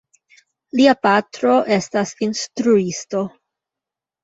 Lia patro estas instruisto.